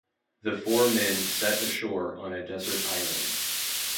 The four men set ashore on a desert island.